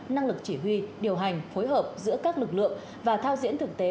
năng lực chỉ huy điều hành phối hợp giữa các lực lượng và thao diễn thực tế